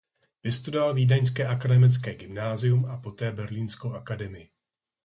Vystudoval vídeňské akademické gymnázium a poté berlínskou akademii.